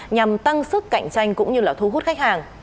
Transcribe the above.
nhằm tăng sức cạnh tranh cũng như là thu hút khách hàng